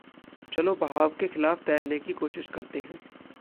चलो बहाव के खिलाफ़ तैरने की कोशिश करते हैं।